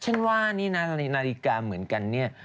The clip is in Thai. ฉันว่านี่นะนาฬิกาเหมือนกันเนี่ย